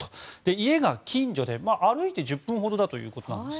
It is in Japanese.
家が近所で歩いて、１０分ほどだということなんです。